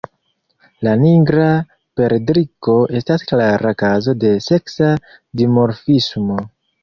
La Nigra perdriko estas klara kazo de seksa dimorfismo.